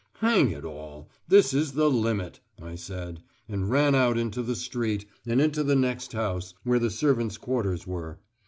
"Hang it all, this is the limit," I said, and ran out into the street, and into the next house, where the servants' quarters were.